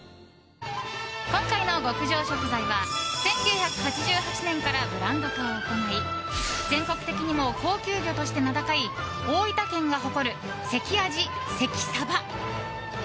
今回の極上食材は１９８８年からブランド化を行い全国的にも高級魚として名高い大分県が誇る関あじ、関さば。